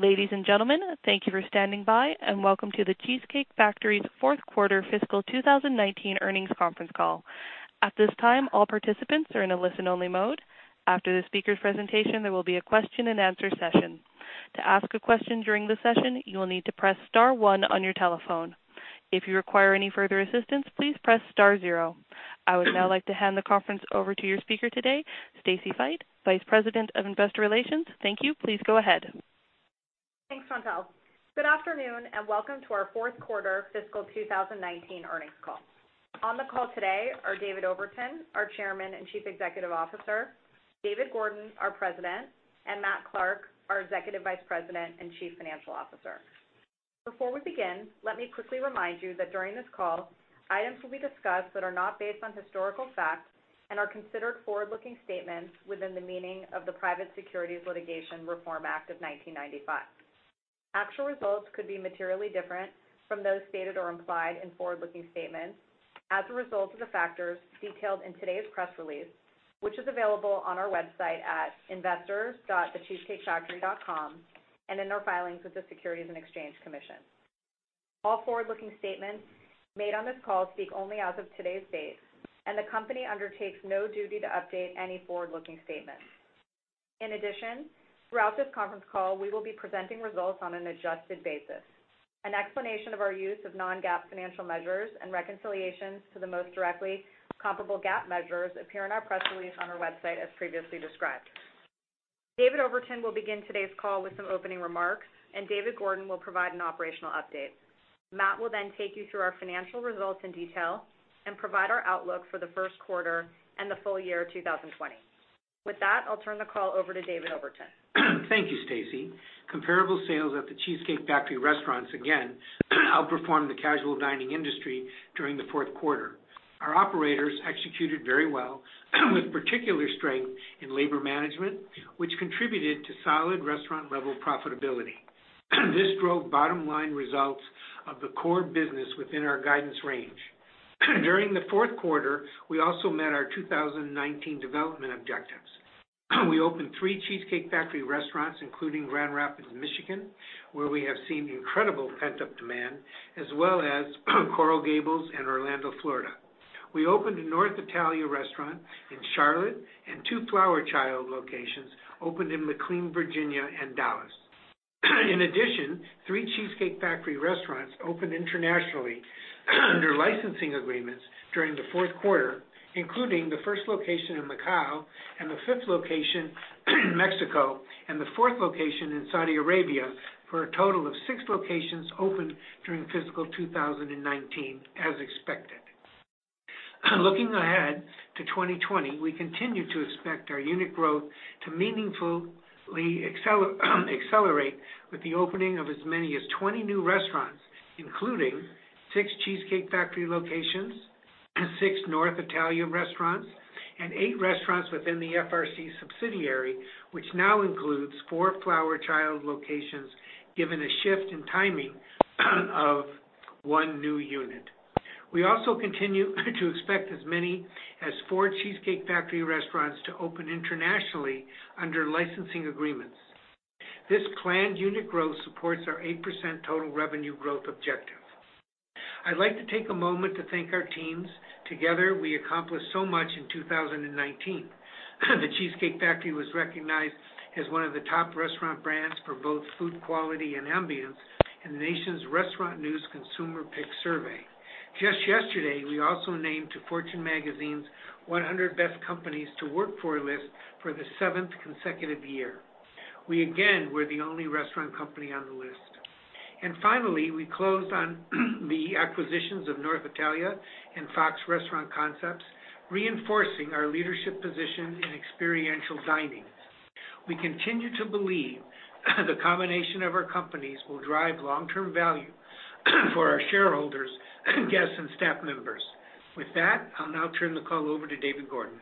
Ladies and gentlemen, thank you for standing by, and welcome to The Cheesecake Factory's fourth quarter fiscal 2019 earnings conference call. At this time, all participants are in a listen-only mode. After the speaker presentation, there will be a question and answer session. I would now like to hand the conference over to your speaker today, Stacy Feit, Vice President of Investor Relations. Thank you. Please go ahead. Thanks, Chantelle. Good afternoon, welcome to our fourth quarter fiscal 2019 earnings call. On the call today are David Overton, our Chairman and Chief Executive Officer, David Gordon, our President, and Matthew Clark, our Executive Vice President and Chief Financial Officer. Before we begin, let me quickly remind you that during this call, items will be discussed that are not based on historical facts and are considered forward-looking statements within the meaning of the Private Securities Litigation Reform Act of 1995. Actual results could be materially different from those stated or implied in forward-looking statements as a result of the factors detailed in today's press release, which is available on our website at investors.thecheesecakefactory.com, and in our filings with the Securities and Exchange Commission. All forward-looking statements made on this call speak only as of today's date, the company undertakes no duty to update any forward-looking statements. In addition, throughout this conference call, we will be presenting results on an adjusted basis. An explanation of our use of non-GAAP financial measures and reconciliations to the most directly comparable GAAP measures appear in our press release on our website as previously described. David Overton will begin today's call with some opening remarks, and David Gordon will provide an operational update. Matt will take you through our financial results in detail and provide our outlook for the first quarter and the full year 2020. With that, I'll turn the call over to David Overton. Thank you, Stacy. Comparable sales at The Cheesecake Factory restaurants again outperformed the casual dining industry during the fourth quarter. Our operators executed very well, with particular strength in labor management, which contributed to solid restaurant-level profitability. This drove bottom-line results of the core business within our guidance range. During the fourth quarter, we also met our 2019 development objectives. We opened three The Cheesecake Factory restaurants, including Grand Rapids, Michigan, where we have seen incredible pent-up demand, as well as Coral Gables and Orlando, Florida. We opened a North Italia restaurant in Charlotte, and two Flower Child locations opened in McLean, Virginia and Dallas. In addition, three The Cheesecake Factory restaurants opened internationally under licensing agreements during the fourth quarter, including the first location in Macau and the fifth location in Mexico and the fourth location in Saudi Arabia, for a total of six locations opened during fiscal 2019 as expected. Looking ahead to 2020, we continue to expect our unit growth to meaningfully accelerate with the opening of as many as 20 new restaurants, including six The Cheesecake Factory locations, six North Italia restaurants, and eight restaurants within the FRC subsidiary, which now includes four Flower Child locations, given a shift in timing of one new unit. We also continue to expect as many as four The Cheesecake Factory restaurants to open internationally under licensing agreements. This planned unit growth supports our 8% total revenue growth objective. I'd like to take a moment to thank our teams. Together, we accomplished so much in 2019. The Cheesecake Factory was recognized as one of the top restaurant brands for both food quality and ambiance in the Nation's Restaurant News Consumer Picks survey. Just yesterday, we were also named to Fortune Magazine's 100 Best Companies to Work For list for the seventh consecutive year. We again were the only restaurant company on the list. Finally, we closed on the acquisitions of North Italia and Fox Restaurant Concepts, reinforcing our leadership position in experiential dining. We continue to believe the combination of our companies will drive long-term value for our shareholders, guests, and staff members. With that, I'll now turn the call over to David Gordon.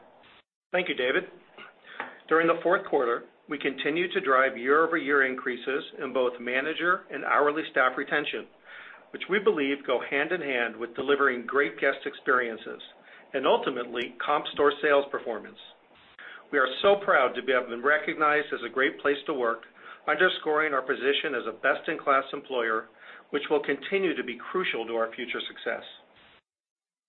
Thank you, David. During the fourth quarter, we continued to drive year-over-year increases in both manager and hourly staff retention, which we believe go hand in hand with delivering great guest experiences and ultimately comp store sales performance. We are so proud to have been recognized as a great place to work, underscoring our position as a best-in-class employer, which will continue to be crucial to our future success.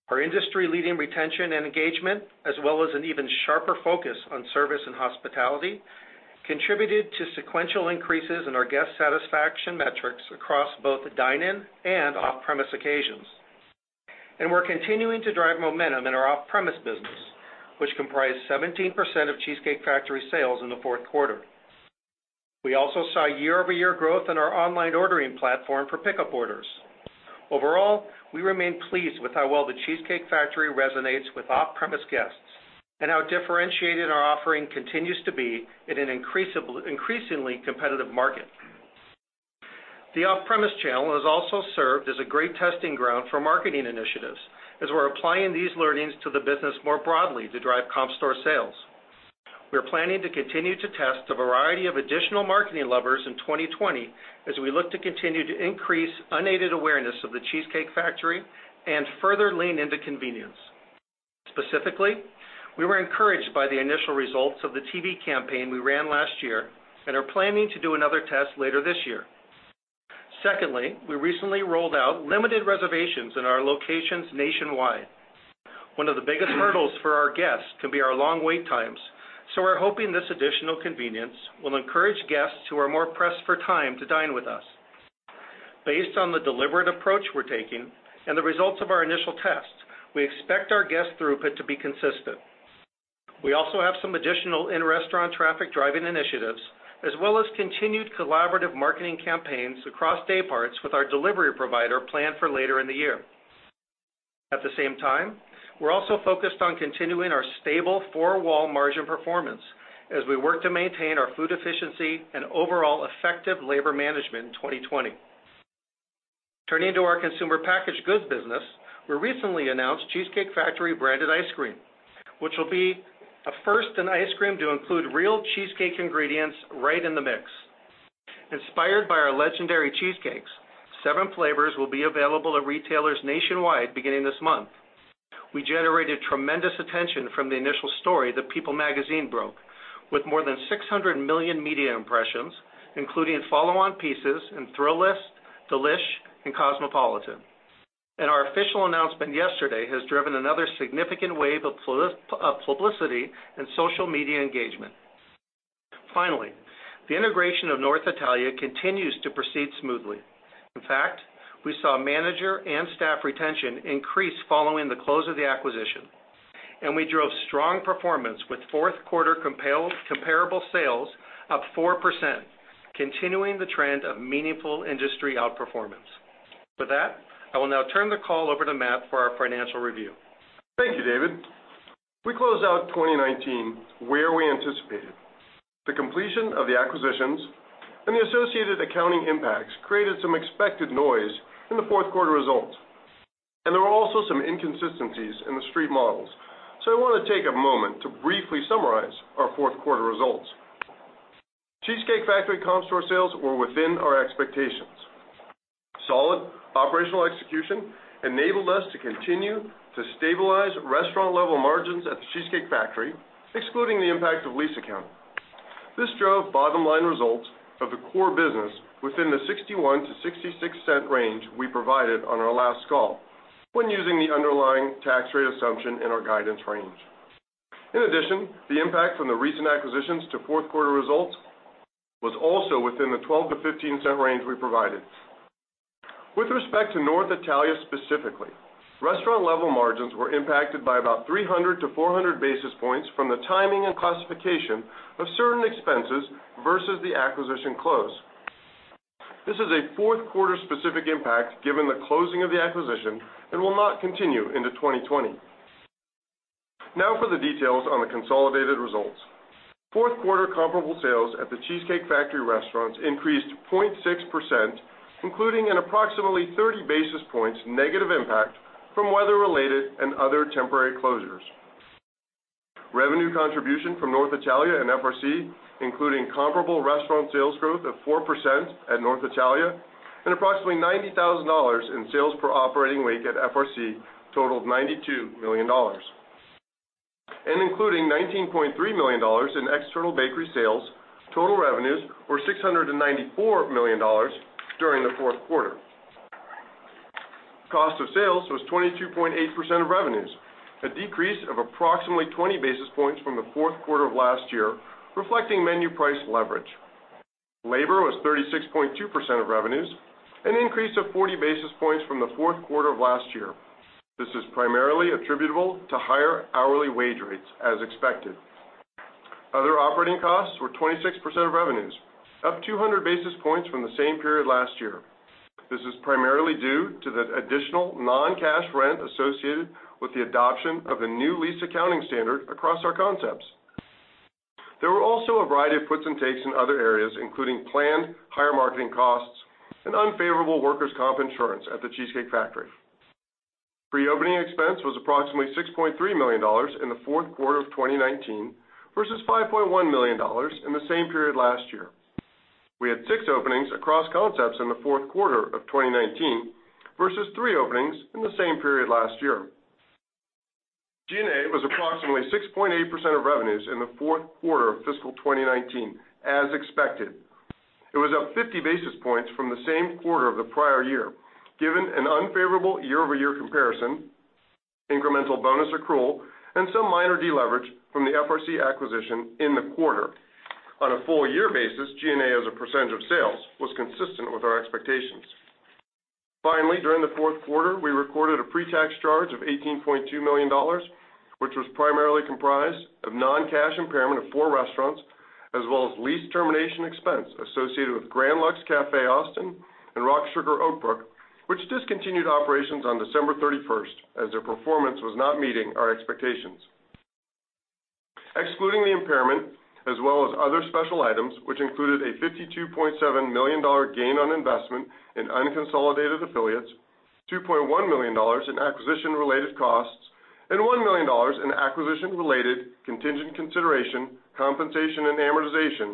Our industry-leading retention and engagement, as well as an even sharper focus on service and hospitality, contributed to sequential increases in our guest satisfaction metrics across both the dine-in and off-premise occasions. We're continuing to drive momentum in our off-premise business, which comprised 17% of The Cheesecake Factory sales in the fourth quarter. We also saw year-over-year growth in our online ordering platform for pickup orders. Overall, we remain pleased with how well The Cheesecake Factory resonates with off-premise guests and how differentiated our offering continues to be in an increasingly competitive market. The off-premise channel has also served as a great testing ground for marketing initiatives, as we're applying these learnings to the business more broadly to drive comp store sales. We're planning to continue to test a variety of additional marketing levers in 2020 as we look to continue to increase unaided awareness of The Cheesecake Factory and further lean into convenience. Specifically, we were encouraged by the initial results of the TV campaign we ran last year and are planning to do another test later this year. Secondly, we recently rolled out limited reservations in our locations nationwide. One of the biggest hurdles for our guests can be our long wait times, we're hoping this additional convenience will encourage guests who are more pressed for time to dine with us. Based on the deliberate approach we're taking and the results of our initial test, we expect our guest throughput to be consistent. We also have some additional in-restaurant traffic-driving initiatives, as well as continued collaborative marketing campaigns across day parts with our delivery provider planned for later in the year. At the same time, we're also focused on continuing our stable four-wall margin performance as we work to maintain our food efficiency and overall effective labor management in 2020. Turning to our consumer packaged goods business, we recently announced Cheesecake Factory branded ice cream, which will be a first in ice cream to include real cheesecake ingredients right in the mix. Inspired by our legendary cheesecakes, seven flavors will be available at retailers nationwide beginning this month. We generated tremendous attention from the initial story that People Magazine broke, with more than 600 million media impressions, including follow-on pieces in Thrillist, Delish, and Cosmopolitan. Our official announcement yesterday has driven another significant wave of publicity and social media engagement. Finally, the integration of North Italia continues to proceed smoothly. In fact, we saw manager and staff retention increase following the close of the acquisition, and we drove strong performance with fourth quarter comparable sales up 4%, continuing the trend of meaningful industry outperformance. With that, I will now turn the call over to Matt for our financial review. Thank you, David. We closed out 2019 where we anticipated. The completion of the acquisitions and the associated accounting impacts created some expected noise in the fourth quarter results. There were also some inconsistencies in the Street models. I want to take a moment to briefly summarize our fourth quarter results. Cheesecake Factory comp store sales were within our expectations. Solid operational execution enabled us to continue to stabilize restaurant level margins at The Cheesecake Factory, excluding the impact of lease accounting. This drove bottom-line results of the core business within the $0.61-$0.66 range we provided on our last call when using the underlying tax rate assumption in our guidance range. In addition, the impact from the recent acquisitions to fourth quarter results was also within the $0.12-$0.15 range we provided. With respect to North Italia specifically, restaurant level margins were impacted by about 300 to 400 basis points from the timing and classification of certain expenses versus the acquisition close. This is a fourth quarter specific impact, given the closing of the acquisition, and will not continue into 2020. Now for the details on the consolidated results. Fourth quarter comparable sales at The Cheesecake Factory restaurants increased 0.6%, including an approximately 30 basis points negative impact from weather-related and other temporary closures. Revenue contribution from North Italia and FRC, including comparable restaurant sales growth of 4% at North Italia, and approximately $90,000 in sales per operating week at FRC, totaled $92 million. Including $19.3 million in external bakery sales, total revenues were $694 million during the fourth quarter. Cost of sales was 22.8% of revenues, a decrease of approximately 20 basis points from the fourth quarter of last year, reflecting menu price leverage. Labor was 36.2% of revenues, an increase of 40 basis points from the fourth quarter of last year. This is primarily attributable to higher hourly wage rates, as expected. Other operating costs were 26% of revenues, up 200 basis points from the same period last year. This is primarily due to the additional non-cash rent associated with the adoption of the new lease accounting standard across our concepts. There were also a variety of puts and takes in other areas, including planned higher marketing costs and unfavorable workers' comp insurance at The Cheesecake Factory. Pre-opening expense was approximately $6.3 million in the fourth quarter of 2019 versus $5.1 million in the same period last year. We had six openings across concepts in the fourth quarter of 2019 versus three openings in the same period last year. G&A was approximately 6.8% of revenues in the fourth quarter of fiscal 2019, as expected. It was up 50 basis points from the same quarter of the prior year, given an unfavorable year-over-year comparison, incremental bonus accrual, and some minor deleverage from the FRC acquisition in the quarter. On a full year basis, G&A as a percentage of sales was consistent with our expectations. Finally, during the fourth quarter, we recorded a pre-tax charge of $18.2 million, which was primarily comprised of non-cash impairment of four restaurants, as well as lease termination expense associated with Grand Lux Cafe Austin and RockSugar Oak Brook, which discontinued operations on December 31st, as their performance was not meeting our expectations. Excluding the impairment, as well as other special items, which included a $52.7 million gain on investment in unconsolidated affiliates, $2.1 million in acquisition-related costs, and $1 million in acquisition-related contingent consideration, compensation, and amortization.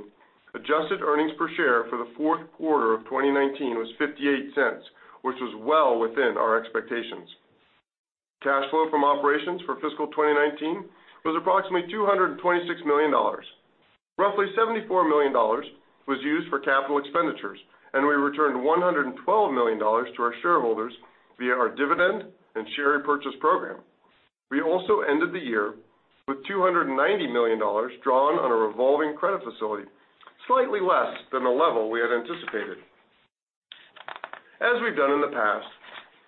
Adjusted earnings per share for the fourth quarter of 2019 was $0.58, which was well within our expectations. Cash flow from operations for fiscal 2019 was approximately $226 million. Roughly $74 million was used for capital expenditures, and we returned $112 million to our shareholders via our dividend and share repurchase program. We also ended the year with $290 million drawn on a revolving credit facility, slightly less than the level we had anticipated. As we've done in the past,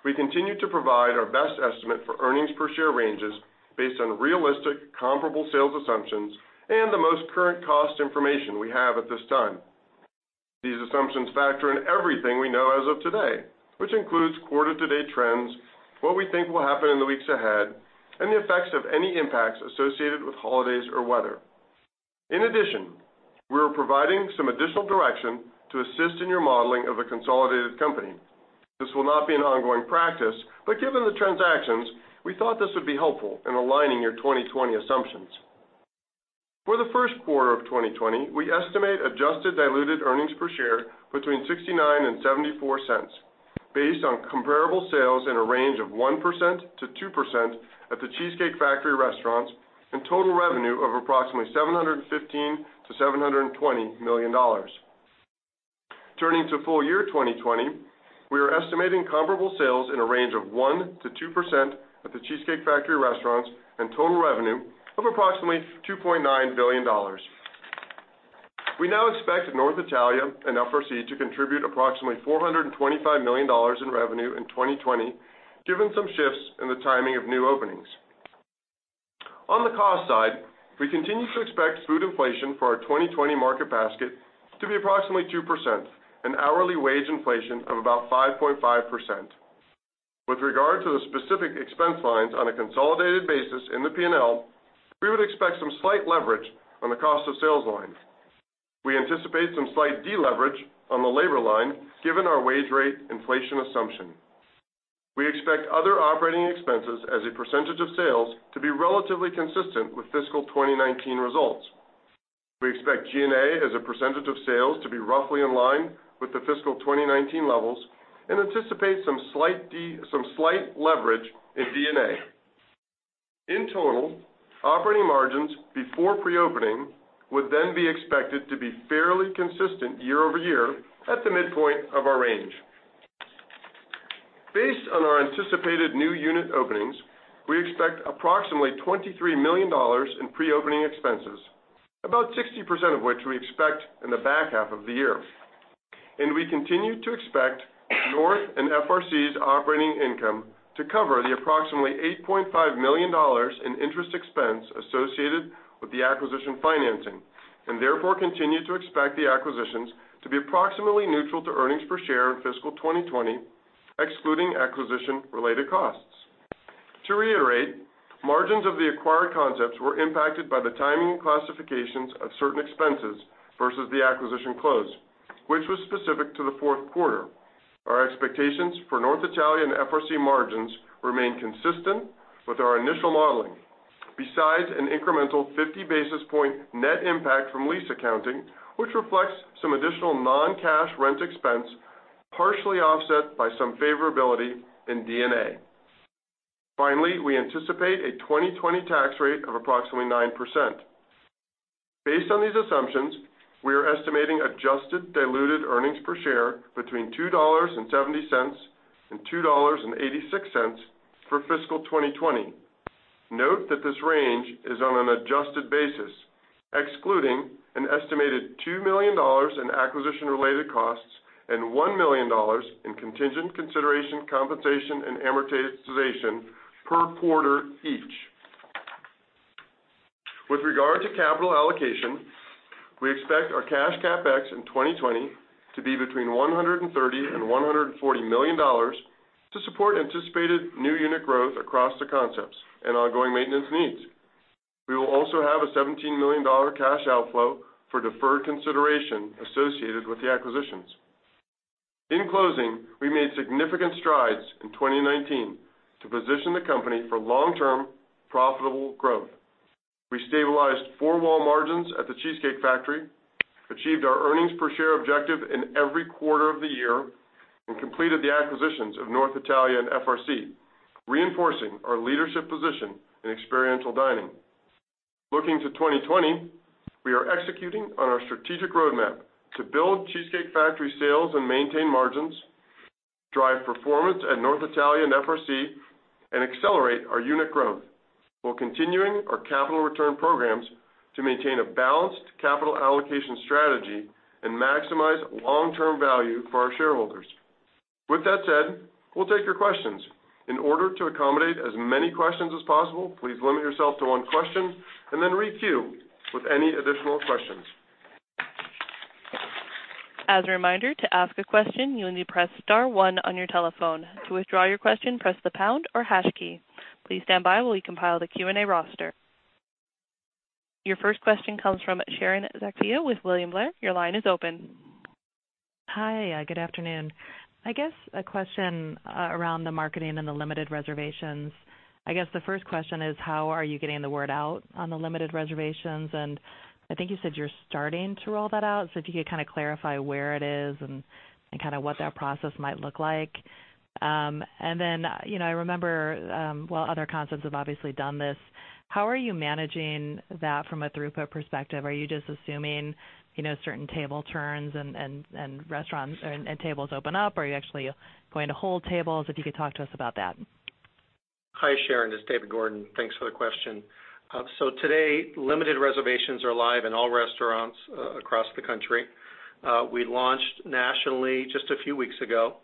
we continue to provide our best estimate for earnings per share ranges based on realistic comparable sales assumptions and the most current cost information we have at this time. These assumptions factor in everything we know as of today, which includes quarter-to-date trends, what we think will happen in the weeks ahead, and the effects of any impacts associated with holidays or weather. In addition, we're providing some additional direction to assist in your modeling of the consolidated company. This will not be an ongoing practice, but given the transactions, we thought this would be helpful in aligning your 2020 assumptions. For the first quarter of 2020, we estimate adjusted diluted earnings per share between $0.69 and $0.74, based on comparable sales in a range of 1%-2% at The Cheesecake Factory restaurants and total revenue of approximately $715 million-$720 million. Turning to full year 2020, we are estimating comparable sales in a range of 1%-2% at The Cheesecake Factory restaurants and total revenue of approximately $2.9 billion. We now expect North Italia and FRC to contribute approximately $425 million in revenue in 2020, given some shifts in the timing of new openings. On the cost side, we continue to expect food inflation for our 2020 market basket to be approximately 2%, and hourly wage inflation of about 5.5%. With regard to the specific expense lines on a consolidated basis in the P&L, we would expect some slight leverage on the cost of sales line. We anticipate some slight deleverage on the labor line given our wage rate inflation assumption. We expect other operating expenses as a percentage of sales to be relatively consistent with fiscal 2019 results. We expect G&A as a percentage of sales to be roughly in line with the fiscal 2019 levels and anticipate some slight leverage in D&A. In total, operating margins before pre-opening would then be expected to be fairly consistent year-over-year at the midpoint of our range. Based on our anticipated new unit openings, we expect approximately $23 million in pre-opening expenses, about 60% of which we expect in the back half of the year. We continue to expect North Italia and FRC's operating income to cover the approximately $8.5 million in interest expense associated with the acquisition financing, and therefore, continue to expect the acquisitions to be approximately neutral to EPS in fiscal 2020, excluding acquisition-related costs. To reiterate, margins of the acquired concepts were impacted by the timing and classifications of certain expenses versus the acquisition close, which was specific to the fourth quarter. Our expectations for North Italia and FRC margins remain consistent with our initial modeling, besides an incremental 50 basis point net impact from lease accounting, which reflects some additional non-cash rent expense, partially offset by some favorability in D&A. Finally, we anticipate a 2020 tax rate of approximately 9%. Based on these assumptions, we are estimating adjusted diluted earnings per share between $2.70 and $2.86 for fiscal 2020. Note that this range is on an adjusted basis, excluding an estimated $2 million in acquisition-related costs and $1 million in contingent consideration, compensation, and amortization per quarter each. With regard to capital allocation, we expect our cash CapEx in 2020 to be between $130 million and $140 million to support anticipated new unit growth across the concepts and ongoing maintenance needs. We will also have a $17 million cash outflow for deferred consideration associated with the acquisitions. In closing, we made significant strides in 2019 to position the company for long-term profitable growth. We stabilized four-wall margins at The Cheesecake Factory, achieved our earnings per share objective in every quarter of the year, and completed the acquisitions of North Italia and FRC, reinforcing our leadership position in experiential dining. Looking to 2020, we are executing on our strategic roadmap to build The Cheesecake Factory sales and maintain margins, drive performance at North Italia and FRC, and accelerate our unit growth, while continuing our capital return programs to maintain a balanced capital allocation strategy and maximize long-term value for our shareholders. With that said, we'll take your questions. In order to accommodate as many questions as possible, please limit yourself to one question, and then queue with any additional questions. Your first question comes from Sharon Zackfia with William Blair. Your line is open. Hi, good afternoon. I guess a question around the marketing and the limited reservations. I think you said you're starting to roll that out, so if you could kind of clarify where it is and kind of what that process might look like. Then I remember, while other concepts have obviously done this, how are you managing that from a throughput perspective? Are you just assuming certain table turns and tables open up, or are you actually going to hold tables, if you could talk to us about that. Hi, Sharon. This is David Gordon. Thanks for the question. Today, limited reservations are live in all restaurants across the country. We launched nationally just a few weeks ago,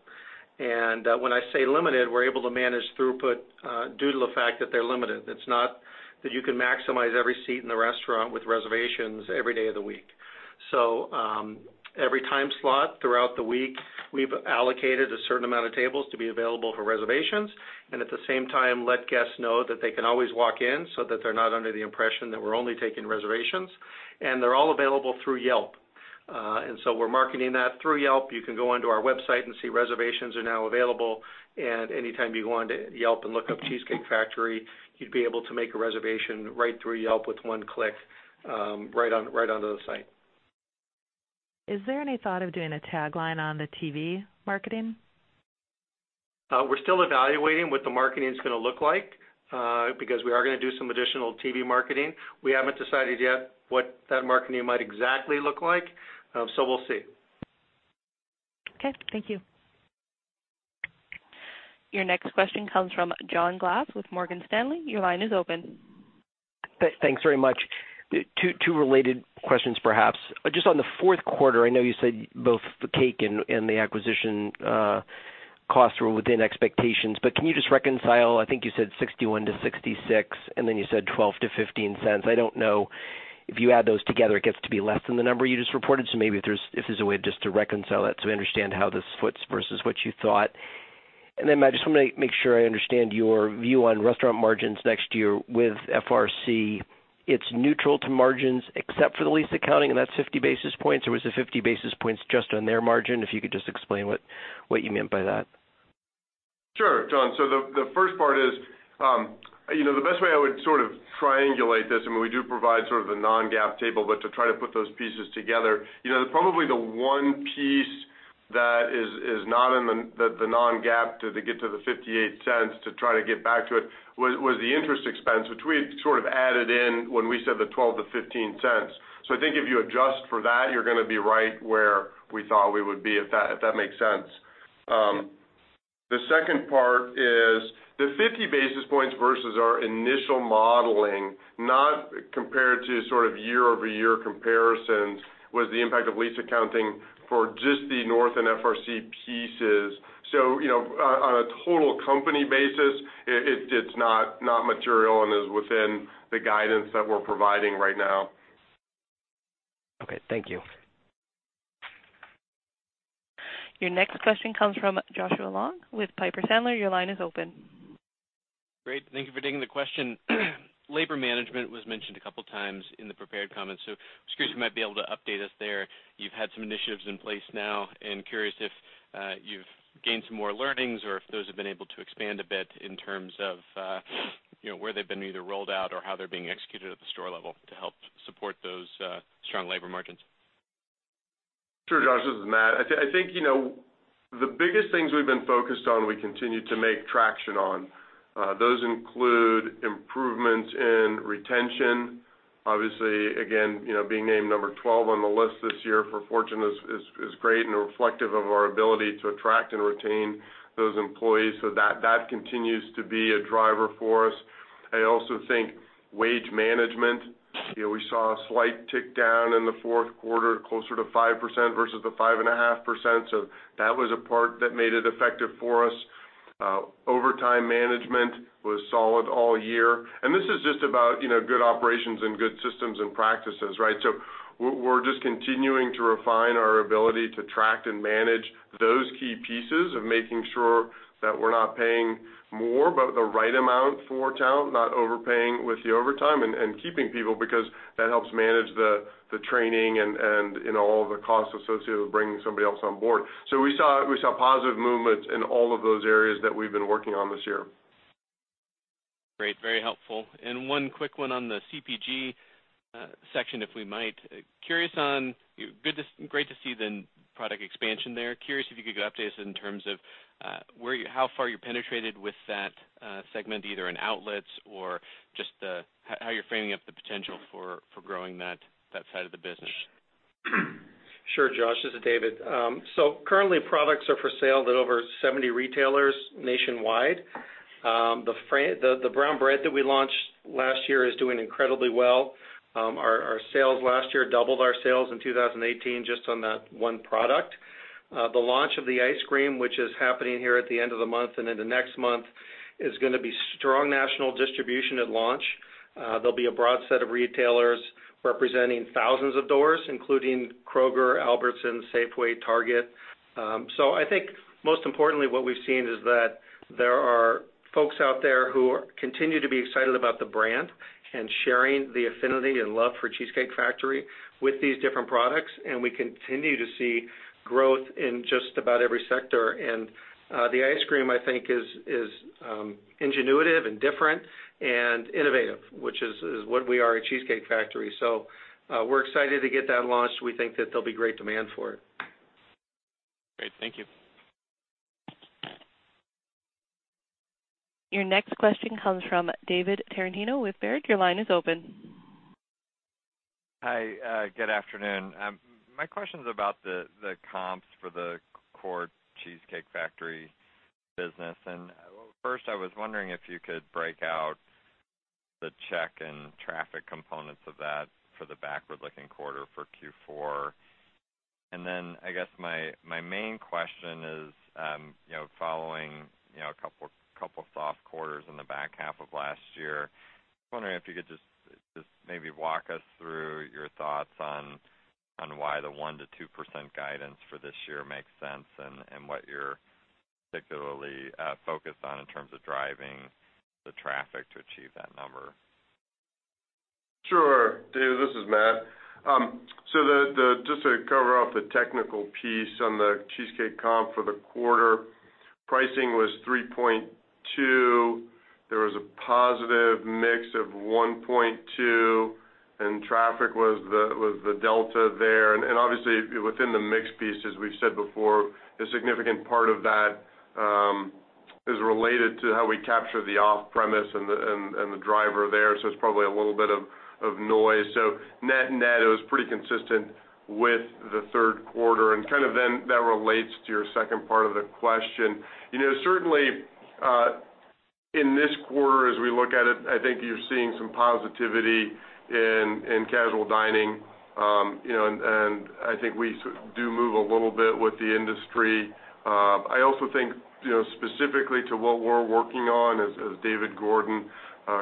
and when I say limited, we're able to manage throughput due to the fact that they're limited. It's not that you can maximize every seat in the restaurant with reservations every day of the week. Every time slot throughout the week, we've allocated a certain amount of tables to be available for reservations, and at the same time, let guests know that they can always walk in so that they're not under the impression that we're only taking reservations, and they're all available through Yelp. We're marketing that through Yelp. You can go onto our website and see reservations are now available, and anytime you go onto Yelp and look up Cheesecake Factory, you'd be able to make a reservation right through Yelp with one click, right onto the site. Is there any thought of doing a tagline on the TV marketing? We're still evaluating what the marketing's going to look like, because we are going to do some additional TV marketing. We haven't decided yet what that marketing might exactly look like. We'll see. Okay. Thank you. Your next question comes from John Glass with Morgan Stanley. Your line is open. Thanks very much. Two related questions, perhaps. On the fourth quarter, I know you said both the cake and the acquisition costs were within expectations, can you just reconcile, I think you said 61 to 66, and then you said $0.12 to $0.15. I don't know if you add those together, it gets to be less than the number you just reported. Maybe if there's a way just to reconcile that so we understand how this fits versus what you thought. Then Matthew, I just want to make sure I understand your view on restaurant margins next year with FRC. It's neutral to margins except for the lease accounting. That's 50 basis points, or is the 50 basis points just on their margin? If you could just explain what you meant by that. Sure, John. The first part is the best way I would sort of triangulate this, and we do provide sort of the non-GAAP table, but to try to put those pieces together. Probably the one piece that is not in the non-GAAP to get to the $0.58 to try to get back to it, was the interest expense, which we had sort of added in when we said the $0.12-$0.15. I think if you adjust for that, you're going to be right where we thought we would be, if that makes sense. Yeah. The second part is the 50 basis points versus our initial modeling, not compared to sort of year-over-year comparisons, was the impact of lease accounting for just the North and FRC pieces. On a total company basis, it's not material and is within the guidance that we're providing right now. Okay. Thank you. Your next question comes from Joshua Long with Piper Sandler. Your line is open. Great. Thank you for taking the question. Labor management was mentioned a couple of times in the prepared comments, so just curious if you might be able to update us there. You've had some initiatives in place now, and curious if you've gained some more learnings or if those have been able to expand a bit in terms of where they've been either rolled out or how they're being executed at the store level to help support those strong labor margins. Sure, Josh. This is Matt. I think the biggest things we've been focused on, we continue to make traction on. Those include improvements in retention. Obviously, again, being named number 12 on the list this year for Fortune is great and reflective of our ability to attract and retain those employees. That continues to be a driver for us. I also think wage management. We saw a slight tick down in the fourth quarter, closer to 5% versus the 5.5%. That was a part that made it effective for us. Overtime management was solid all year. This is just about good operations and good systems and practices, right? We're just continuing to refine our ability to track and manage those key pieces of making sure that we're not paying more, but the right amount for talent, not overpaying with the overtime and keeping people because that helps manage the training and all the costs associated with bringing somebody else on board. We saw positive movements in all of those areas that we've been working on this year. Great. Very helpful. One quick one on the CPG section, if we might. Great to see the product expansion there. Curious if you could give updates in terms of how far you penetrated with that segment, either in outlets or just how you're framing up the potential for growing that side of the business. Sure, Josh. This is David. Currently products are for sale at over 70 retailers nationwide. The brown bread that we launched last year is doing incredibly well. Our sales last year doubled our sales in 2018 just on that one product. The launch of the ice cream, which is happening here at the end of the month and into next month, is going to be strong national distribution at launch. There'll be a broad set of retailers representing thousands of doors, including Kroger, Albertsons, Safeway, Target. I think most importantly, what we've seen is that there are folks out there who continue to be excited about the brand and sharing the affinity and love for Cheesecake Factory with these different products, and we continue to see growth in just about every sector. The ice cream, I think is ingenious and different and innovative, which is what we are at Cheesecake Factory. We're excited to get that launched. We think that there'll be great demand for it. Great. Thank you. Your next question comes from David Tarantino with Baird. Your line is open. Hi. Good afternoon. My question's about the comps for the core The Cheesecake Factory business. First, I was wondering if you could break out the check and traffic components of that for the backward-looking quarter for Q4. I guess my main question is, following a couple of soft quarters in the back half of last year, I was wondering if you could just maybe walk us through your thoughts on why the 1%-2% guidance for this year makes sense and what you're particularly focused on in terms of driving the traffic to achieve that number. Sure, David, this is Matt. Just to cover off the technical piece on the Cheesecake comp for the quarter, pricing was 3.2%. There was a positive mix of 1.2%, and traffic was the delta there. Obviously, within the mix piece, as we've said before, a significant part of that is related to how we capture the off-premise and the driver there. It's probably a little bit of noise. Net-net, it was pretty consistent with the third quarter and then that relates to your second part of the question. Certainly, in this quarter as we look at it, I think you're seeing some positivity in casual dining, and I think we do move a little bit with the industry. I also think, specifically to what we're working on, as David Gordon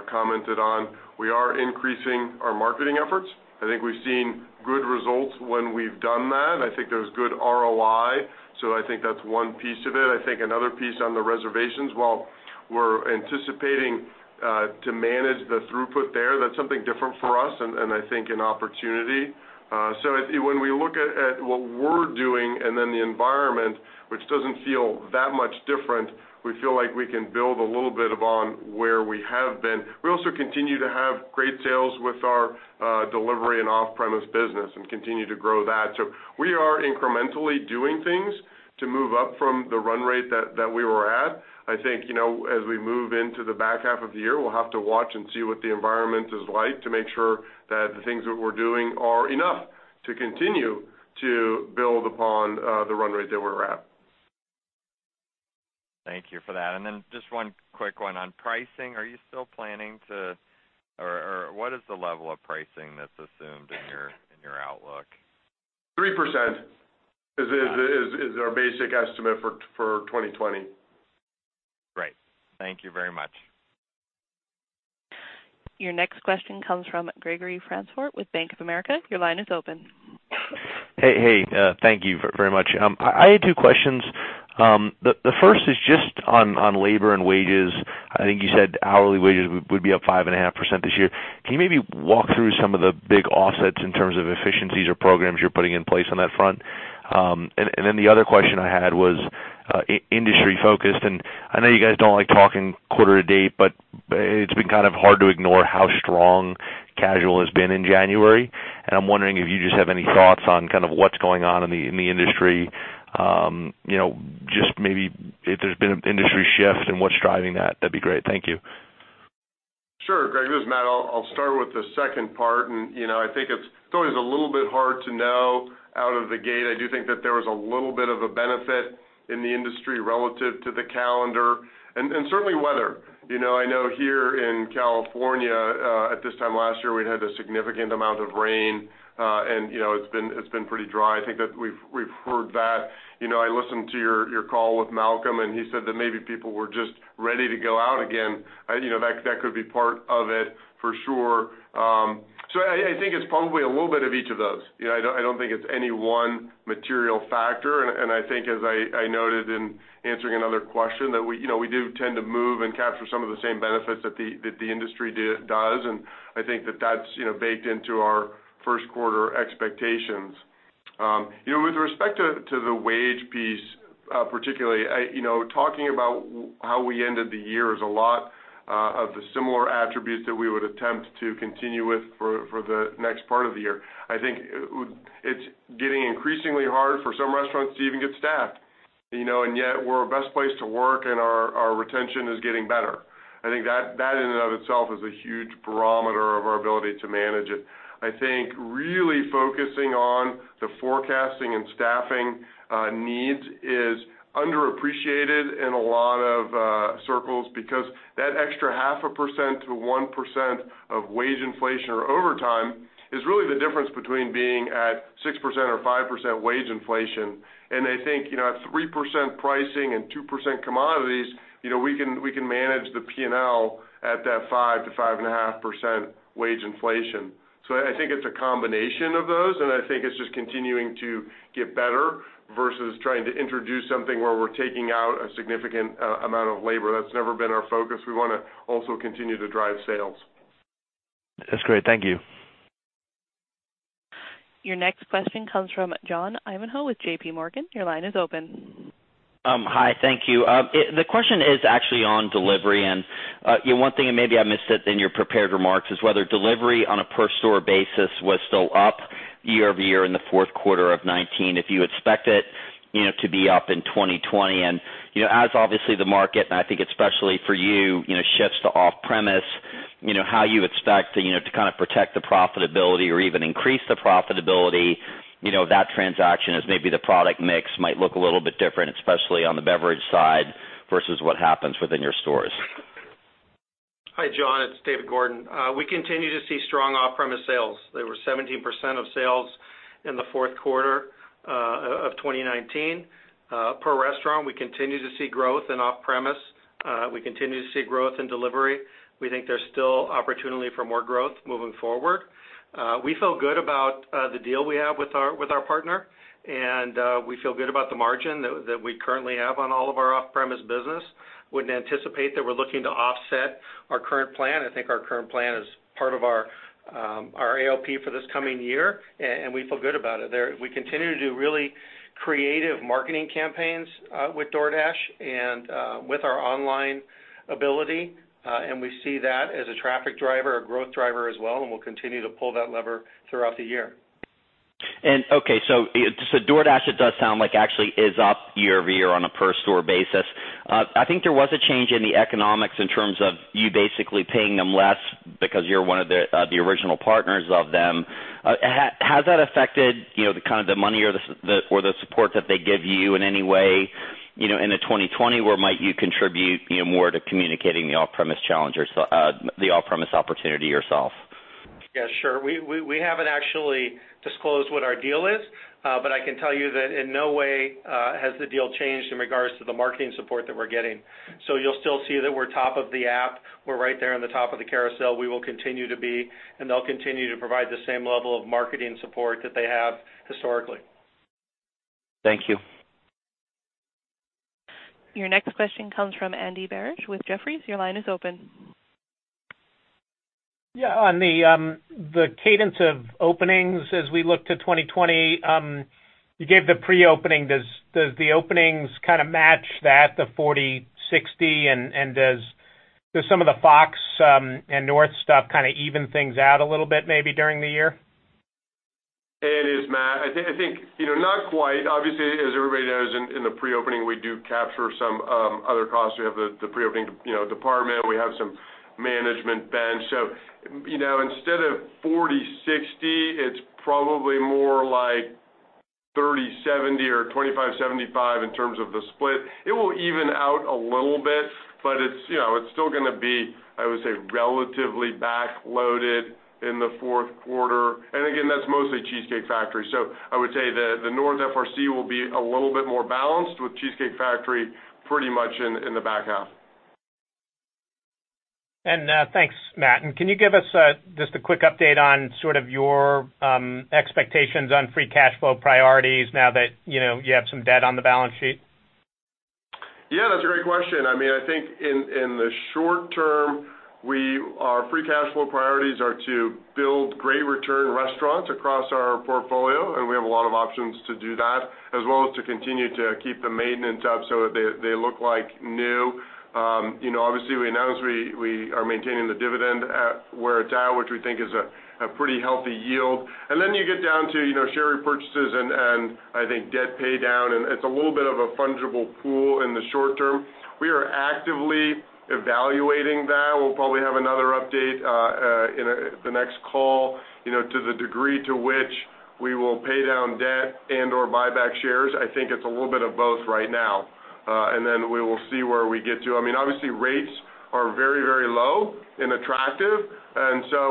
commented on, we are increasing our marketing efforts. I think we've seen good results when we've done that. I think there's good ROI. I think that's one piece of it. I think another piece on the reservations, while we're anticipating to manage the throughput there, that's something different for us and I think an opportunity. When we look at what we're doing and then the environment, which doesn't feel that much different, we feel like we can build a little bit upon where we have been. We also continue to have great sales with our delivery and off-premise business and continue to grow that. We are incrementally doing things to move up from the run rate that we were at. I think, as we move into the back half of the year, we'll have to watch and see what the environment is like to make sure that the things that we're doing are enough to continue to build upon the run rate that we're at. Thank you for that. Just one quick one on pricing. What is the level of pricing that's assumed in your outlook? 3% is our basic estimate for 2020. Great. Thank you very much. Your next question comes from Gregory Francfort with Bank of America. Your line is open. Hey. Thank you very much. I had two questions. The first is just on labor and wages. I think you said hourly wages would be up 5.5% this year. Can you maybe walk through some of the big offsets in terms of efficiencies or programs you're putting in place on that front? The other question I had was industry focused, and I know you guys don't like talking quarter to date, but it's been kind of hard to ignore how strong casual has been in January. I'm wondering if you just have any thoughts on kind of what's going on in the industry. Just maybe if there's been an industry shift and what's driving that'd be great. Thank you. Sure, Greg, this is Matt. I'll start with the second part. I think it's always a little bit hard to know out of the gate. I do think that there was a little bit of a benefit in the industry relative to the calendar and certainly weather. I know here in California, at this time last year, we had a significant amount of rain, and it's been pretty dry. I think that we've heard that. I listened to your call with Malcolm, and he said that maybe people were just ready to go out again. That could be part of it for sure. I think it's probably a little bit of each of those. I don't think it's any one material factor, and I think as I noted in answering another question, that we do tend to move and capture some of the same benefits that the industry does, and I think that that's baked into our first quarter expectations. With respect to the wage piece, particularly, talking about how we ended the year is a lot of the similar attributes that we would attempt to continue with for the next part of the year. I think it's getting increasingly hard for some restaurants to even get staffed, and yet we're a best place to work and our retention is getting better. I think that in and of itself is a huge barometer of our ability to manage it. I think really focusing on the forecasting and staffing needs is underappreciated in a lot of circles because that extra half a percent to 1% of wage inflation or overtime is really the difference between being at 6% or 5% wage inflation. I think, 3% pricing and 2% commodities, we can manage the P&L at that 5%-5.5% wage inflation. I think it's a combination of those, and I think it's just continuing to get better versus trying to introduce something where we're taking out a significant amount of labor. That's never been our focus. We want to also continue to drive sales. That's great. Thank you. Your next question comes from John Ivankoe with JPMorgan. Your line is open. Hi, thank you. The question is actually on delivery, and one thing, and maybe I missed it in your prepared remarks, is whether delivery on a per store basis was still up year-over-year in the fourth quarter of 2019, if you expect it to be up in 2020. As obviously the market, and I think especially for you, shifts to off-premise, how you expect to protect the profitability or even increase the profitability of that transaction as maybe the product mix might look a little bit different, especially on the beverage side versus what happens within your stores. Hi, John, it's David Gordon. We continue to see strong off-premise sales. They were 17% of sales in the fourth quarter of 2019. Per restaurant, we continue to see growth in off-premise. We continue to see growth in delivery. We think there's still opportunity for more growth moving forward. We feel good about the deal we have with our partner, and we feel good about the margin that we currently have on all of our off-premise business. Wouldn't anticipate that we're looking to offset our current plan. I think our current plan is part of our ALP for this coming year, and we feel good about it. We continue to do really creative marketing campaigns with DoorDash and with our online ability, and we see that as a traffic driver, a growth driver as well, and we'll continue to pull that lever throughout the year. Okay, DoorDash, it does sound like actually is up year-over-year on a per store basis. I think there was a change in the economics in terms of you basically paying them less because you're one of the original partners of them. Has that affected the money or the support that they give you in any way in the 2020? Where might you contribute more to communicating the off-premise challenge or the off-premise opportunity yourself? Yeah, sure. We haven't actually disclosed what our deal is, but I can tell you that in no way has the deal changed in regards to the marketing support that we're getting. You'll still see that we're top of the app. We're right there on the top of the carousel. We will continue to be, and they'll continue to provide the same level of marketing support that they have historically. Thank you. Your next question comes from Andy Barish with Jefferies. Your line is open. On the cadence of openings as we look to 2020, you gave the pre-opening. Does the openings kind of match that, the 40-60, and does some of the Fox and North stuff kind of even things out a little bit, maybe during the year? It is, Matt. I think not quite. Obviously, as everybody knows, in the pre-opening, we do capture some other costs. We have the pre-opening department. We have some management bench. Instead of 40/60, it's probably more like 30/70 or 25/75 in terms of the split. It will even out a little bit, but it's still going to be, I would say, relatively back-loaded in the fourth quarter. Again, that's mostly Cheesecake Factory. I would say the North FRC will be a little bit more balanced with Cheesecake Factory pretty much in the back half. Thanks, Matt. Can you give us just a quick update on sort of your expectations on free cash flow priorities now that you have some debt on the balance sheet? Yeah, that's a great question. I think in the short term, our free cash flow priorities are to build great return restaurants across our portfolio, and we have a lot of options to do that, as well as to continue to keep the maintenance up so they look like new. Obviously, we announced we are maintaining the dividend at where it's at, which we think is a pretty healthy yield. You get down to share repurchases and I think debt pay down, and it's a little bit of a fungible pool in the short term. We are actively evaluating that. We'll probably have another update in the next call to the degree to which we will pay down debt and/or buy back shares. I think it's a little bit of both right now. We will see where we get to. Obviously rates are very low and attractive,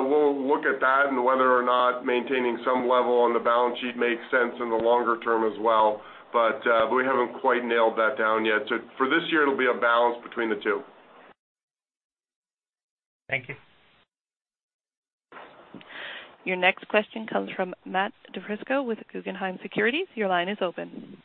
we'll look at that and whether or not maintaining some level on the balance sheet makes sense in the longer term as well. We haven't quite nailed that down yet. For this year, it'll be a balance between the two. Thank you. Your next question comes from Matthew DiFrisco with Guggenheim Securities. Your line is open.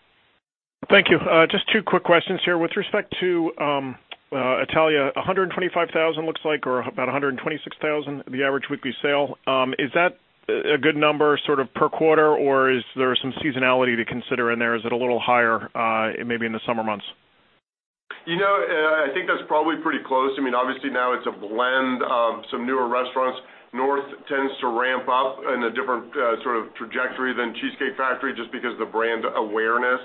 Thank you. Just two quick questions here. With respect to North Italia, $125,000 looks like, or about $126,000, the average weekly sale. Is that a good number per quarter, or is there some seasonality to consider in there? Is it a little higher maybe in the summer months? I think that's probably pretty close. Obviously now it's a blend of some newer restaurants. North tends to ramp up in a different sort of trajectory than The Cheesecake Factory just because of the brand awareness.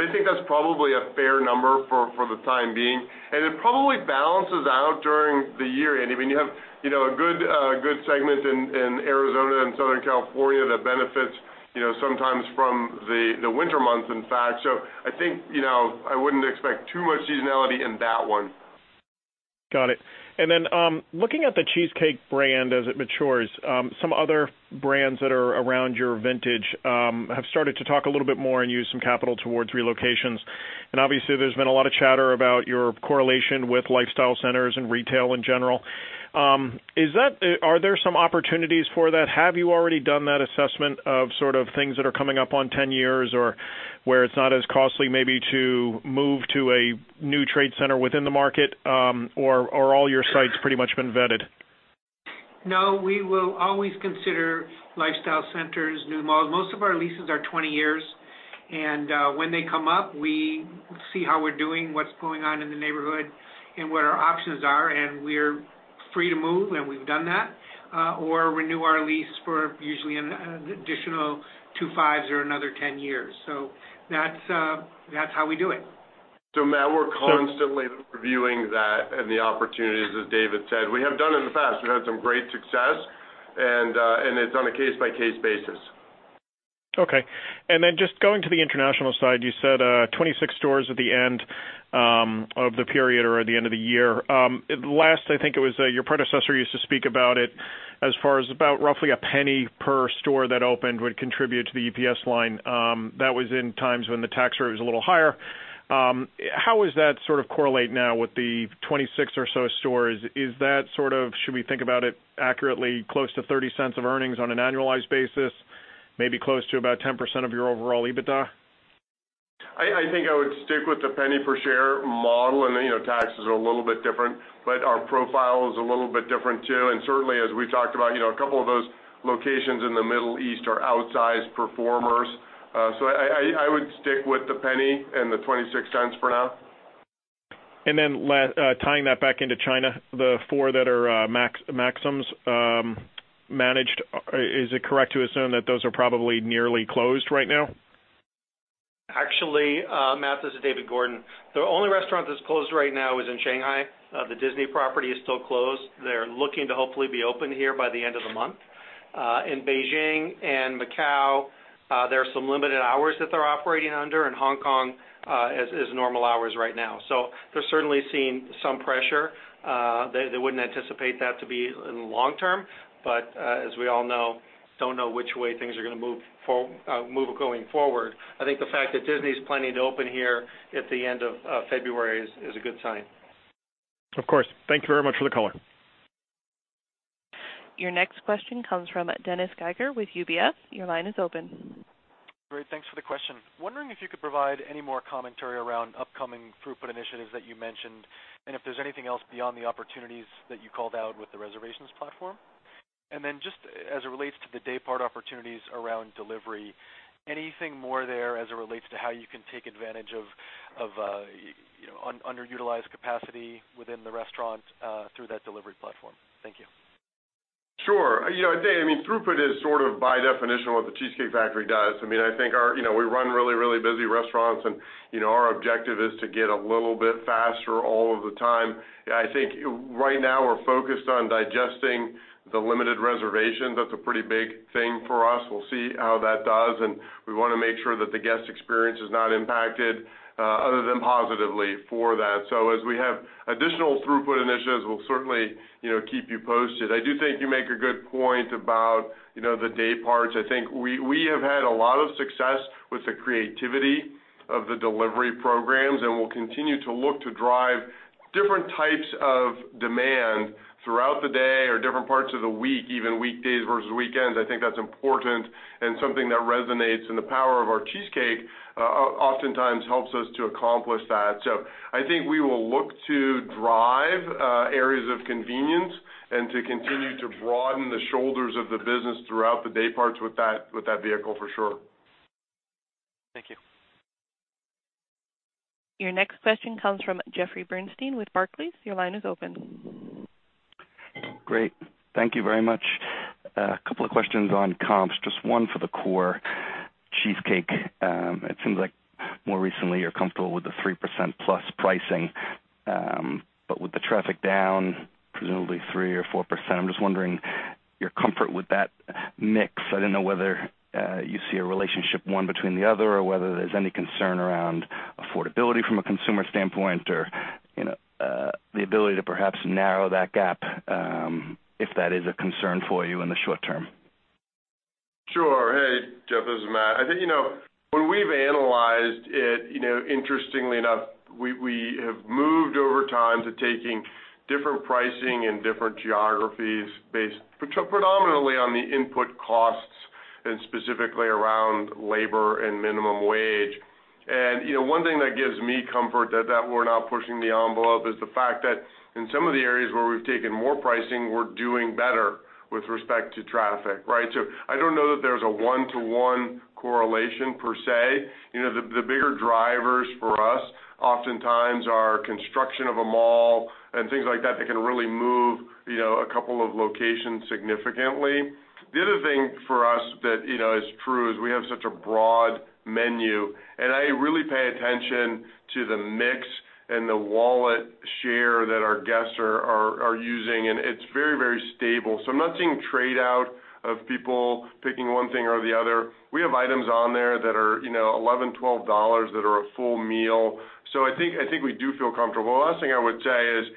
I think that's probably a fair number for the time being, and it probably balances out during the year, Andy, when you have a good segment in Arizona and Southern California that benefits sometimes from the winter months, in fact. I think I wouldn't expect too much seasonality in that one. Got it. Then looking at the Cheesecake brand as it matures, some other brands that are around your vintage have started to talk a little bit more and use some CapEx towards relocations. Obviously, there's been a lot of chatter about your correlation with lifestyle centers and retail in general. Are there some opportunities for that? Have you already done that assessment of things that are coming up on 10 years, or where it's not as costly maybe to move to a new trade center within the market, or all your sites pretty much been vetted? No, we will always consider lifestyle centers, new malls. Most of our leases are 20 years, and when they come up, we see how we're doing, what's going on in the neighborhood, and what our options are, and we're free to move, and we've done that, or renew our lease for usually an additional two, five or another 10 years. That's how we do it. Matt, we're constantly reviewing that and the opportunities, as David said. We have done in the past. We've had some great success, and it's on a case-by-case basis. Okay. Just going to the international side, you said 26 stores at the end of the period or at the end of the year. Last, I think it was your predecessor used to speak about it as far as about roughly $0.01 per store that opened would contribute to the EPS line. That was in times when the tax rate was a little higher. How does that correlate now with the 26 or so stores? Should we think about it accurately close to $0.30 of earnings on an annualized basis, maybe close to about 10% of your overall EBITDA? I think I would stick with the penny per share model. Taxes are a little bit different, but our profile is a little bit different, too. Certainly, as we've talked about, a couple of those locations in the Middle East are outsized performers. I would stick with the penny and the $0.26 for now. Tying that back into China, the four that are Maxim's managed, is it correct to assume that those are probably nearly closed right now? Actually, Matt, this is David Gordon. The only restaurant that's closed right now is in Shanghai. The Disney property is still closed. They're looking to hopefully be open here by the end of the month. In Beijing and Macau, there are some limited hours that they're operating under. In Hong Kong is normal hours right now. They're certainly seeing some pressure. They wouldn't anticipate that to be in the long term, but as we all know, don't know which way things are going to move going forward. I think the fact that Disney's planning to open here at the end of February is a good sign. Of course. Thank you very much for the color. Your next question comes from Dennis Geiger with UBS. Your line is open. Great. Thanks for the question. Wondering if you could provide any more commentary around upcoming throughput initiatives that you mentioned, and if there's anything else beyond the opportunities that you called out with the reservations platform. Just as it relates to the day part opportunities around delivery, anything more there as it relates to how you can take advantage of underutilized capacity within the restaurant through that delivery platform? Thank you. Sure. I mean, throughput is sort of by definition what The Cheesecake Factory does. I think we run really busy restaurants, and our objective is to get a little bit faster all of the time. I think right now we're focused on digesting the limited reservations. That's a pretty big thing for us. We'll see how that does, and we want to make sure that the guest experience is not impacted other than positively for that. As we have additional throughput initiatives, we'll certainly keep you posted. I do think you make a good point about the day parts. I think we have had a lot of success with the creativity of the delivery programs, and we'll continue to look to drive different types of demand throughout the day or different parts of the week, even weekdays versus weekends. I think that's important and something that resonates, and the power of our cheesecake oftentimes helps us to accomplish that. I think we will look to drive areas of convenience and to continue to broaden the shoulders of the business throughout the day parts with that vehicle, for sure. Thank you. Your next question comes from Jeffrey Bernstein with Barclays. Your line is open. Great. Thank you very much. A couple of questions on comps. Just one for the core Cheesecake. It seems like more recently you're comfortable with the 3% plus pricing. With the traffic down presumably 3% or 4%, I'm just wondering your comfort with that mix. I don't know whether you see a relationship, one between the other, or whether there's any concern around affordability from a consumer standpoint or the ability to perhaps narrow that gap if that is a concern for you in the short term. Sure. Hey, Jeff, this is Matt. I think when we've analyzed it, interestingly enough, we have moved over time to taking different pricing in different geographies based predominantly on the input costs and specifically around labor and minimum wage. One thing that gives me comfort that we're not pushing the envelope is the fact that in some of the areas where we've taken more pricing, we're doing better with respect to traffic, right? I don't know that there's a one-to-one correlation per se. The bigger drivers for us oftentimes are construction of a mall and things like that can really move a couple of locations significantly. The other thing for us that is true is we have such a broad menu, and I really pay attention to the mix and the wallet share that our guests are using, and it's very stable. I'm not seeing trade-out of people picking one thing or the other. We have items on there that are $11, $12 that are a full meal. I think we do feel comfortable. The last thing I would say is.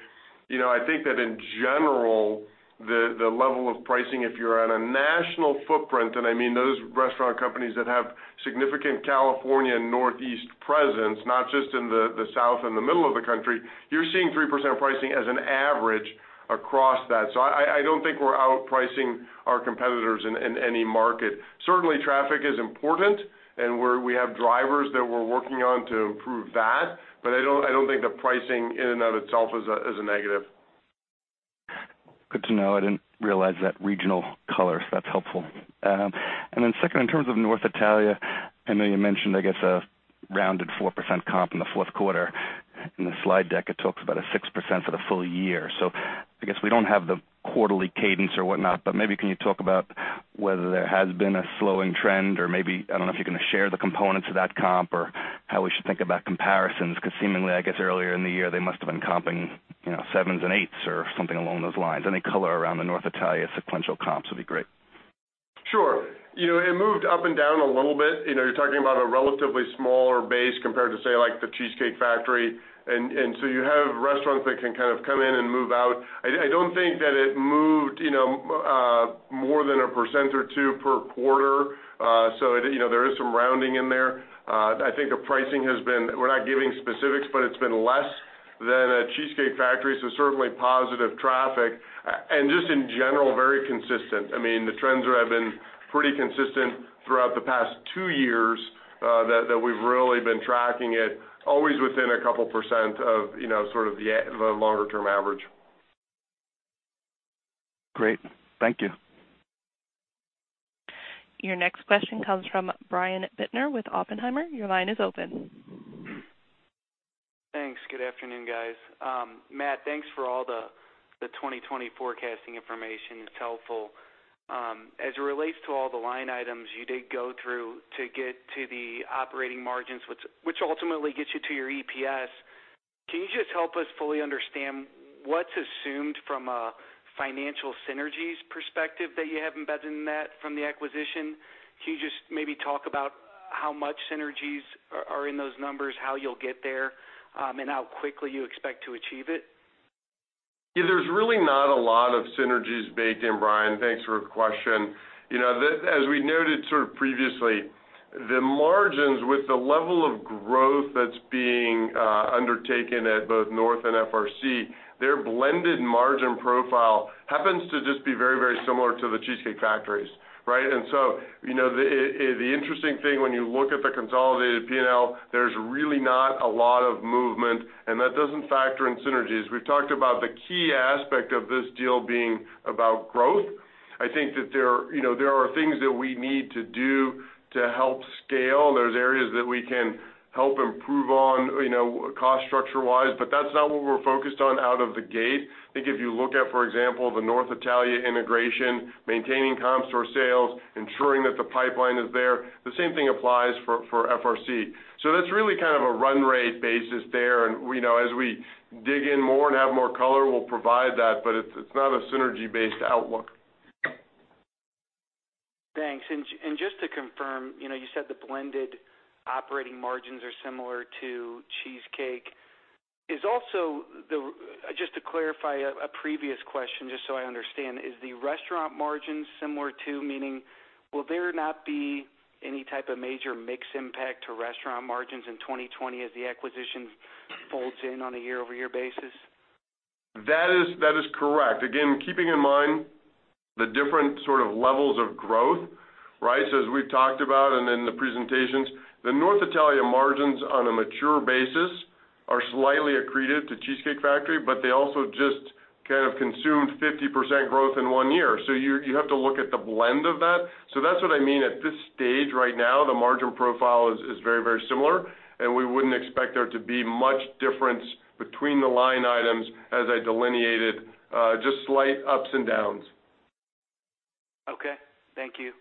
I think that in general, the level of pricing, if you're at a national footprint, and I mean those restaurant companies that have significant California and Northeast presence, not just in the South and the middle of the country, you're seeing 3% pricing as an average across that. I don't think we're outpricing our competitors in any market. Certainly, traffic is important, and we have drivers that we're working on to improve that, but I don't think the pricing in and of itself is a negative. Good to know. I didn't realize that regional color, so that's helpful. Second, in terms of North Italia, I know you mentioned, I guess, a rounded 4% comp in the fourth quarter. In the slide deck, it talks about a 6% for the full year. I guess we don't have the quarterly cadence or whatnot, but maybe can you talk about whether there has been a slowing trend or maybe, I don't know if you're going to share the components of that comp or how we should think about comparisons, because seemingly, I guess earlier in the year, they must have been comping sevens and eights or something along those lines. Any color around the North Italia sequential comps would be great. Sure. It moved up and down a little bit. You're talking about a relatively smaller base compared to, say, like The Cheesecake Factory. You have restaurants that can kind of come in and move out. I don't think that it moved more than a percentage or two per quarter. There is some rounding in there. I think the pricing has been, we're not giving specifics, but it's been less than a Cheesecake Factory, so certainly positive traffic. Just in general, very consistent. I mean, the trends have been pretty consistent throughout the past two years, that we've really been tracking it, always within a couple percent of sort of the longer-term average. Great. Thank you. Your next question comes from Brian Bittner with Oppenheimer. Your line is open. Thanks. Good afternoon, guys. Matt, thanks for all the 2020 forecasting information. It's helpful. As it relates to all the line items you did go through to get to the operating margins, which ultimately gets you to your EPS, can you just help us fully understand what's assumed from a financial synergies perspective that you have embedded in that from the acquisition? Can you just maybe talk about how much synergies are in those numbers, how you'll get there, and how quickly you expect to achieve it? There's really not a lot of synergies baked in, Brian. Thanks for the question. As we noted sort of previously, the margins with the level of growth that's being undertaken at both North Italia and FRC, their blended margin profile happens to just be very similar to The Cheesecake Factory, right? The interesting thing when you look at the consolidated P&L, there's really not a lot of movement, and that doesn't factor in synergies. We've talked about the key aspect of this deal being about growth. I think that there are things that we need to do to help scale. There's areas that we can help improve on cost structure-wise, but that's not what we're focused on out of the gate. I think if you look at, for example, the North Italia integration, maintaining comp store sales, ensuring that the pipeline is there, the same thing applies for FRC. That's really kind of a run rate basis there, and as we dig in more and have more color, we'll provide that, but it's not a synergy-based outlook. Thanks. Just to confirm, you said the blended operating margins are similar to Cheesecake. Just to clarify a previous question, just so I understand, is the restaurant margins similar too, meaning will there not be any type of major mix impact to restaurant margins in 2020 as the acquisition folds in on a year-over-year basis? That is correct. Again, keeping in mind the different sort of levels of growth, right? As we've talked about and in the presentations, the North Italia margins on a mature basis are slightly accretive to Cheesecake Factory, but they also just kind of consumed 50% growth in one year. You have to look at the blend of that. That's what I mean at this stage right now, the margin profile is very similar, and we wouldn't expect there to be much difference between the line items as I delineated, just slight ups and downs. Okay. Thank you.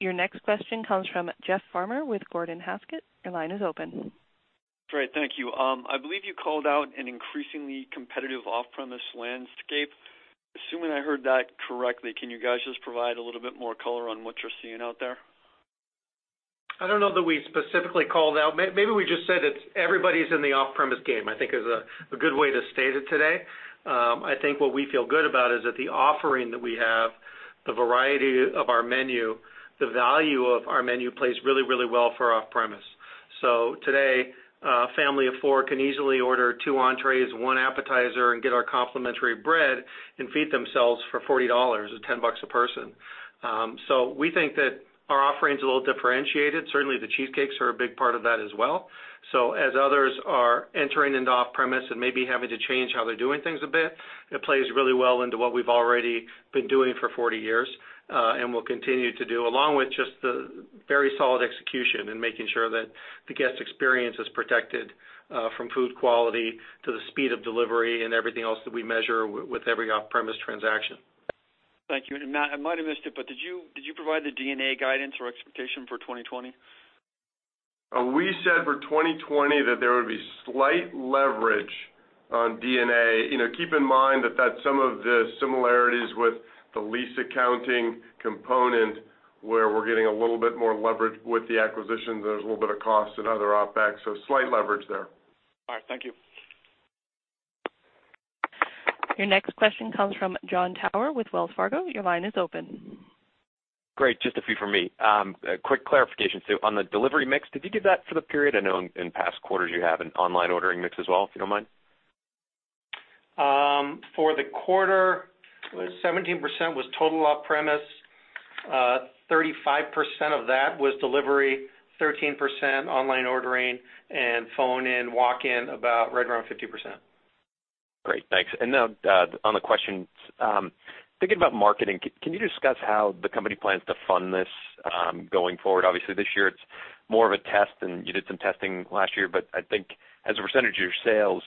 Your next question comes from Jeff Farmer with Gordon Haskett. Your line is open. Great. Thank you. I believe you called out an increasingly competitive off-premise landscape. Assuming I heard that correctly, can you guys just provide a little bit more color on what you're seeing out there? I don't know that we specifically called out. Maybe we just said it's everybody's in the off-premise game, I think is a good way to state it today. I think what we feel good about is that the offering that we have, the variety of our menu, the value of our menu plays really well for off-premise. Today, a family of four can easily order two entrees, one appetizer, and get our complimentary bread and feed themselves for $40 at $10 a person. We think that our offering's a little differentiated. Certainly, the cheesecakes are a big part of that as well. As others are entering into off-premise and maybe having to change how they're doing things a bit, it plays really well into what we've already been doing for 40 years. We'll continue to do, along with just the very solid execution and making sure that the guest experience is protected from food quality to the speed of delivery and everything else that we measure with every off-premise transaction. Thank you. Matt, I might have missed it, but did you provide the D&A guidance or expectation for 2020? We said for 2020 that there would be slight leverage on D&A, keep in mind that some of the similarities with the lease accounting component, where we're getting a little bit more leverage with the acquisitions, and there's a little bit of cost in other OPEX, so slight leverage there. All right. Thank you. Your next question comes from Jon Tower with Wells Fargo. Your line is open. Great. Just a few from me. A quick clarification. On the delivery mix, did you give that for the period? I know in past quarters you have an online ordering mix as well, if you don't mind. For the quarter, 17% was total off-premise, 35% of that was delivery, 13% online ordering, and phone-in, walk-in, about right around 15%. Great. Thanks. Now, on the questions, thinking about marketing, can you discuss how the company plans to fund this going forward? Obviously, this year it's more of a test, and you did some testing last year, but I think as a percentage of your sales,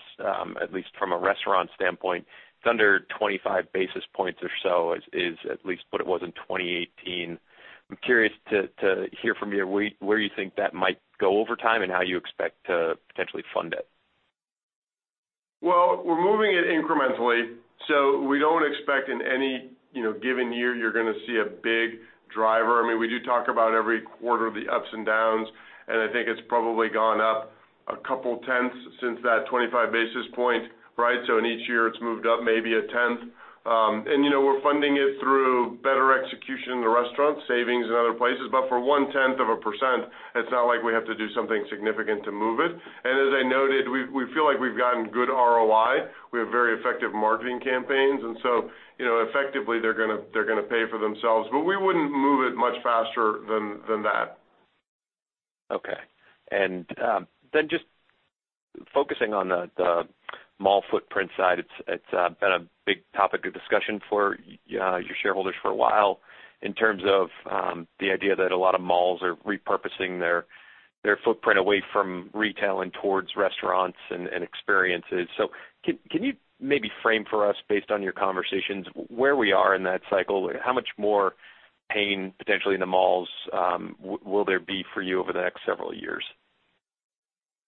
at least from a restaurant standpoint, it's under 25 basis points or so is at least what it was in 2018. I'm curious to hear from you where you think that might go over time, and how you expect to potentially fund it. Well, we're moving it incrementally. We don't expect in any given year you're going to see a big driver. We do talk about every quarter the ups and downs, and I think it's probably gone up a couple tenths since that 25 basis points. In each year, it's moved up maybe a tenth. We're funding it through better execution in the restaurant, savings in other places. For one tenth of a percent, it's not like we have to do something significant to move it. As I noted, we feel like we've gotten good ROI. We have very effective marketing campaigns, effectively, they're going to pay for themselves. We wouldn't move it much faster than that. Okay. Just focusing on the mall footprint side, it's been a big topic of discussion for your shareholders for a while in terms of the idea that a lot of malls are repurposing their footprint away from retail and towards restaurants and experiences. Can you maybe frame for us, based on your conversations, where we are in that cycle? How much more pain, potentially in the malls, will there be for you over the next several years?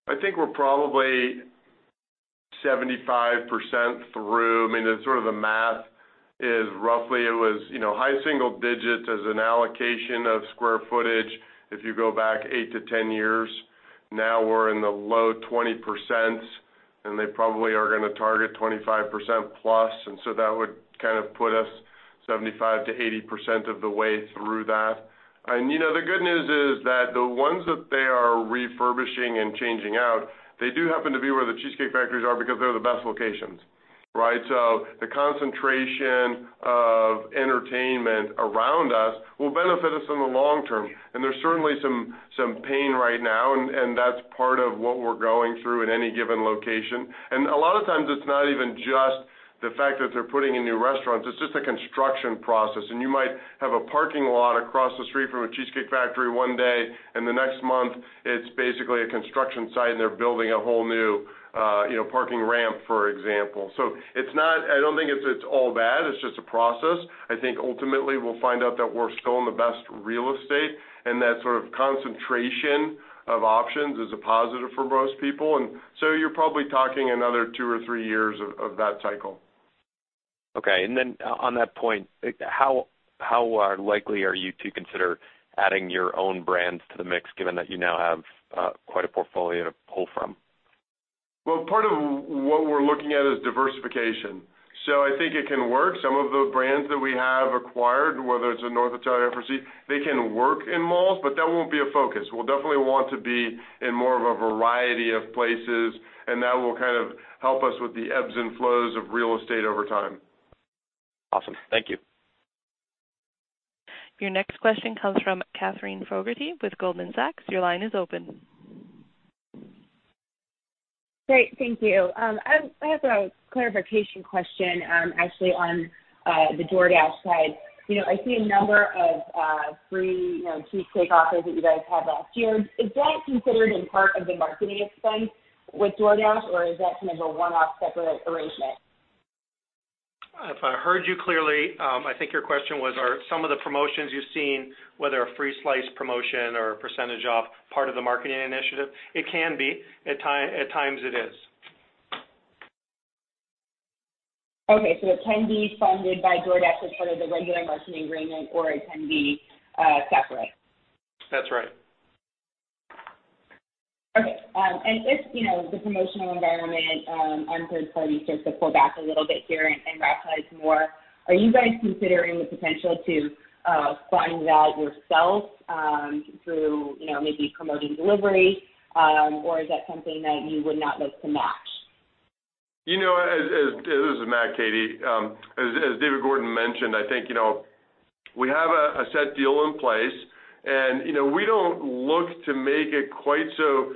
I think we're probably 75% through. The math is roughly, it was high single digits as an allocation of square footage if you go back eight to 10 years. Now we're in the low 20%, they probably are going to target 25%+, so that would put us 75%-80% of the way through that. The good news is that the ones that they are refurbishing and changing out, they do happen to be where the Cheesecake Factories are because they're the best locations. The concentration of entertainment around us will benefit us in the long term. There's certainly some pain right now, and that's part of what we're going through in any given location. A lot of times it's not even just the fact that they're putting in new restaurants, it's just the construction process. You might have a parking lot across the street from a The Cheesecake Factory one day, and the next month, it's basically a construction site and they're building a whole new parking ramp, for example. I don't think it's all bad. It's just a process. I think ultimately we'll find out that we're still in the best real estate, and that sort of concentration of options is a positive for most people. You're probably talking another two or three years of that cycle. Okay. Then on that point, how likely are you to consider adding your own brands to the mix, given that you now have quite a portfolio to pull from? Part of what we're looking at is diversification. I think it can work. Some of the brands that we have acquired, whether it's a North Italia or a Flower Child, they can work in malls, but that won't be a focus. We'll definitely want to be in more of a variety of places, that will help us with the ebbs and flows of real estate over time. Awesome. Thank you. Your next question comes from Katherine Fogerty with Goldman Sachs. Your line is open. Great. Thank you. I have a clarification question, actually, on the DoorDash side. I see a number of free Cheesecake offers that you guys had last year. Is that considered in part of the marketing expense with DoorDash, or is that kind of a one-off separate arrangement? If I heard you clearly, I think your question was, are some of the promotions you've seen, whether a free slice promotion or a percentage off, part of the marketing initiative? It can be. At times it is. It can be funded by DoorDash as part of the regular marketing agreement, or it can be separate. That's right. Okay. If the promotional environment on third parties starts to pull back a little bit here and rationalize more, are you guys considering the potential to fund that yourself through maybe promoting delivery? Or is that something that you would not look to match? This is Matt, Katie. As David Gordon mentioned, I think we have a set deal in place, we don't look to make it quite so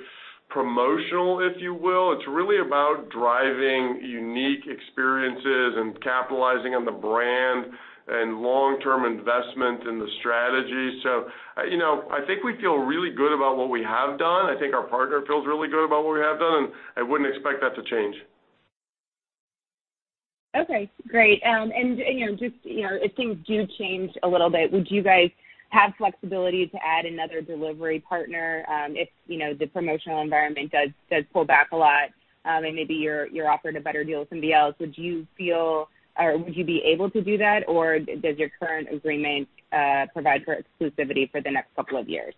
promotional, if you will. It's really about driving unique experiences and capitalizing on the brand and long-term investment in the strategy. I think we feel really good about what we have done. I think our partner feels really good about what we have done, I wouldn't expect that to change. Okay, great. If things do change a little bit, would you guys have flexibility to add another delivery partner if the promotional environment does pull back a lot, and maybe you're offered a better deal with somebody else? Would you be able to do that, or does your current agreement provide for exclusivity for the next couple of years?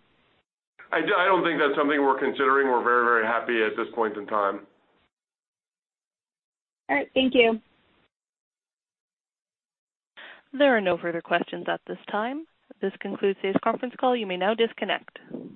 I don't think that's something we're considering. We're very, very happy at this point in time. All right. Thank you. There are no further questions at this time. This concludes today's conference call. You may now disconnect.